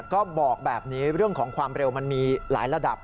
ก็บอกแบบนี้เรื่องของความเร็วมันมีหลายระดับ